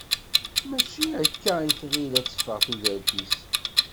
Mačči akka i tɣil ad teffeɣ tudert-is.